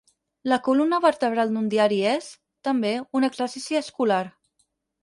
La columna vertebral d'un diari és, també, un exercici escolar.